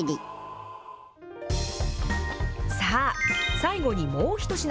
さあ、最後にもう１品。